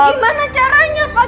ini gimana caranya pak